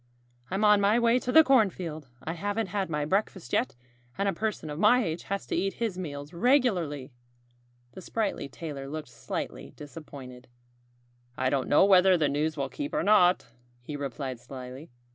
"I'm on my way to the cornfield. I haven't had my breakfast yet. And a person of my age has to eat his meals regularly." The sprightly tailor looked slightly disappointed. "I don't know whether the news will keep or not," he replied slyly.